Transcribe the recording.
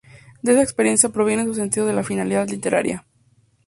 De esa experiencia proviene su sentido de la finalidad literaria.